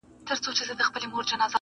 چې زما د هوس رنګ لکه د سپي شو